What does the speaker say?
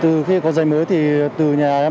từ khi có giấy mới thì từ nhà em